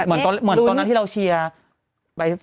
เหมือนตอนนั้นที่เราเชียร์